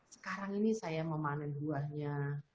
sekarang ini saya memanen buahnya